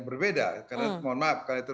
berbeda mohon maaf karena